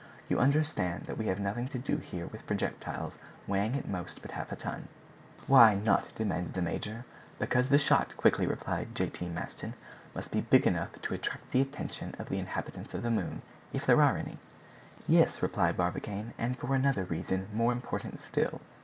You understand that we have nothing to do here with projectiles weighing at most but half a ton." "Why not?" demanded the major. "Because the shot," quickly replied J. T. Maston, "must be big enough to attract the attention of the inhabitants of the moon, if there are any?" "Yes," replied Barbicane, "and for another reason more important still."